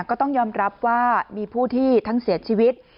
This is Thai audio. ก็ต้องยอมรับว่ามีผู้ที่ทั้งเสียชีวิต